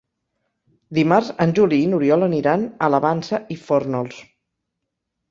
Dimarts en Juli i n'Oriol aniran a la Vansa i Fórnols.